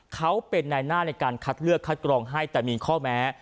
เขาเป็นนายหน้าในการคัดเลือกคัดกรองให้แต่มีข้อแม้